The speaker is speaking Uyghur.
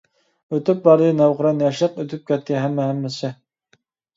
ئۆتۈپ باردى نەۋقىران ياشلىق، ئۆتۈپ كەتتى ھەممە ھەممىسى.